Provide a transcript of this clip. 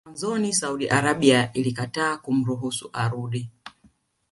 Mwanzoni Saudi Arabia ilikataa kumruhusu arudi